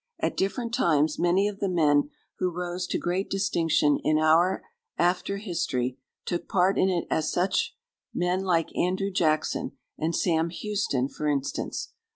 At different times many of the men who rose to great distinction in our after history took part in it as such: men like Andrew Jackson and Sam Houston, for instance.